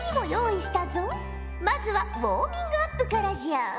まずはウォーミングアップからじゃ。